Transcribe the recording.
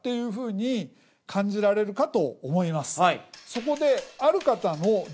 そこで。